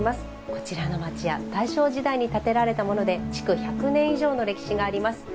こちらの町家大正時代に建てられたもので築１００年以上の歴史があります。